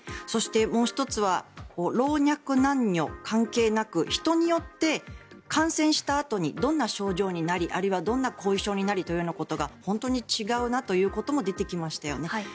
そして、もう１つは老若男女関係なく人によって感染したあとにどんな症状になりあるいはどんな後遺症になるということが本当に違うなということも出てきましたよね。